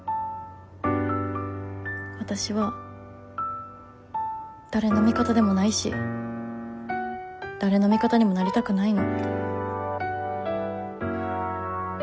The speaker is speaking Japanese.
わたしは誰の味方でもないし誰の味方にもなりたくないの。